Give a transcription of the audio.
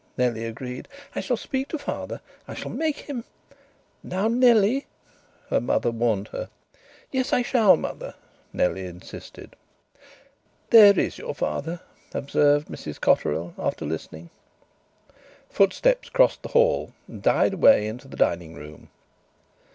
Nellie agreed. "I shall speak to father. I shall make him " "Now, Nellie " her mother warned her. "Yes, I shall, mother," Nellie insisted. "There is your father!" observed Mrs Cotterill, after listening. Footsteps crossed the hall, and died away into the dining room.